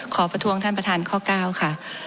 ประท้วงท่านประธานข้อ๙ค่ะ